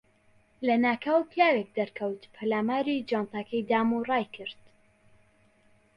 لەناکاو پیاوێک دەرکەوت، پەلاماری جانتاکەی دام و ڕایکرد.